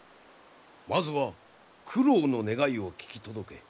まずは九郎の願いを聞き届け